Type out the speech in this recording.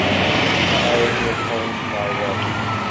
Aaron was owned by Rev.